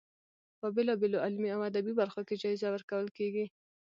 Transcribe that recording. په بېلا بېلو علمي او ادبي برخو کې جایزه ورکول کیږي.